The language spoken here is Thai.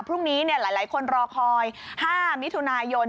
พรุ่งนี้หลายคนรอคอย๕มิถุนายน